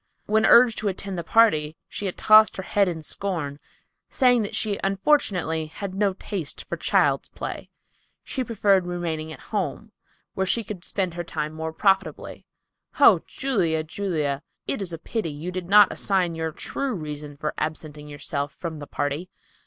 When urged to attend the party, she had tossed her head in scorn saying that she unfortunately had no taste for child's play. She preferred remaining at home, where she could spend her time more profitably. Oh, Julia, Julia! It is a pity you did not assign your true reason for absenting yourself from the party.